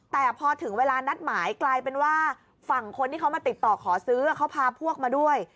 แต่พอถึงเวลานัดหมายกลายเป็นว่าฝั่งคนที่เขามาติดต่อขอซื้อเขาพาพวกมาด้วย